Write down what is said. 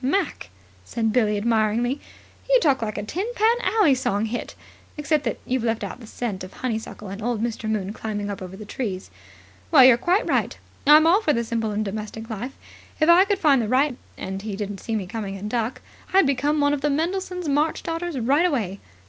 "Mac," said Billie admiringly, "you talk like a Tin Pan Alley song hit, except that you've left out the scent of honeysuckle and Old Mister Moon climbing up over the trees. Well, you're quite right. I'm all for the simple and domestic myself. If I could find the right man, and he didn't see me coming and duck, I'd become one of the Mendelssohn's March Daughters right away.